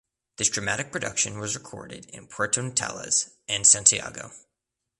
This dramatic production was recorded in Puerto Natales and Santiago.